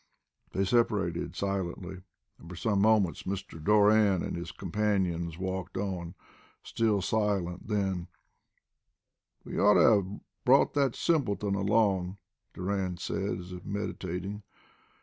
They separated silently, and for some moments Mr. Doran and his companions walked on, still silent, then "We ought to have brought that simpleton along," Doran said, as if meditating.